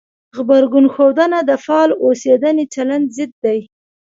غبرګون ښودنه د فعال اوسېدنې چلند ضد دی.